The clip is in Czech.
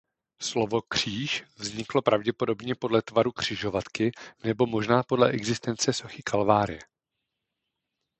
Slovo „kříž“ vzniklo pravděpodobně podle tvaru křižovatky nebo možná podle existence sochy Kalvárie.